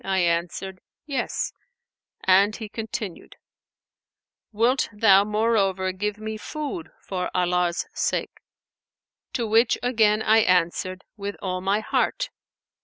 I answered, 'Yes,' and he continued, 'Wilt thou moreover give me food for Allah's sake?'; to which again I answered, 'With all my heart.'